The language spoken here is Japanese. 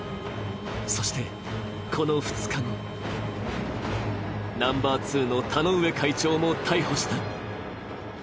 そして、この２日後、ナンバー２の田上会長も逮捕した。